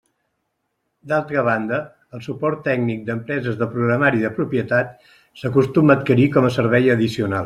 D'altra banda, el suport tècnic d'empreses de programari de propietat s'acostuma a adquirir com a servei addicional.